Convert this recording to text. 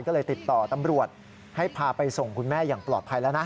ก็เลยติดต่อตำรวจให้พาไปส่งคุณแม่อย่างปลอดภัยแล้วนะ